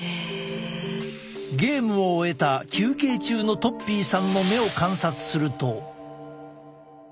ゲームを終えた休憩中のとっぴーさんの目を観察すると。